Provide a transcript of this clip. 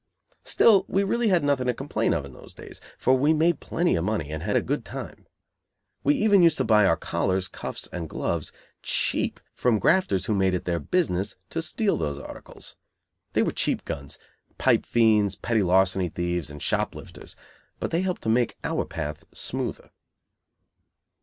Still, we really had nothing to complain of in those days, for we made plenty of money and had a good time. We even used to buy our collars, cuffs and gloves cheap from grafters who made it their business to steal those articles. They were cheap guns, pipe fiends, petty larceny thieves and shop lifters but they helped to make our path smoother.